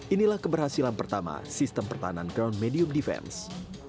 inilah keberhasilan pertama sistem pertahanan ground medium defense